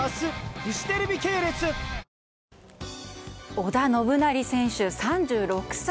織田信成選手、３６歳。